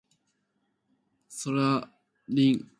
星空凛